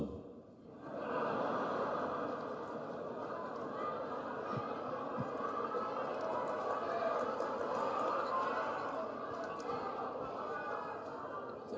saya salah kostum